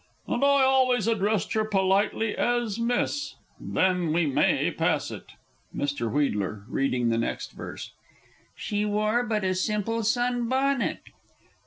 "And I always addressed her politely as "Miss." Then we may pass it. Mr. W. (reading the next verse). "She wore but a simple sun bonnet."